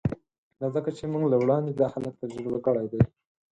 دا ځکه چې موږ له وړاندې دا حالت تجربه کړی دی